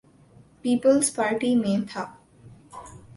Peoples Party میں تھا۔